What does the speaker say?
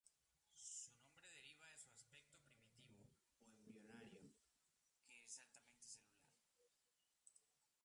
Su nombre deriva de su aspecto, primitivo o embrionario, que es altamente celular.